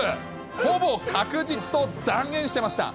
ほぼ確実と断言してました。